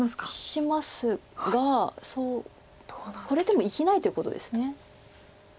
しますがこれでも生きないということです。